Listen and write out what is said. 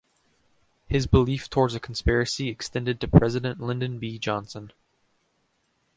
His belief towards a conspiracy extended to President Lyndon B. Johnson.